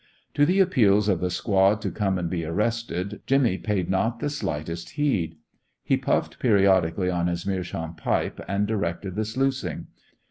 To the appeals of the squad to come and be arrested, Jimmy paid not the slightest heed. He puffed periodically on his "meerschaum" pipe, and directed the sluicing.